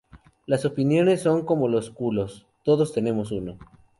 Las opiniones son como los culos. Todos tenemos uno